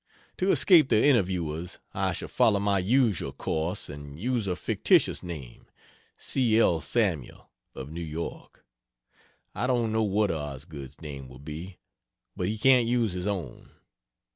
To escape the interviewers, I shall follow my usual course and use a fictitious name (C. L. Samuel, of New York.) I don't know what Osgood's name will be, but he can't use his own.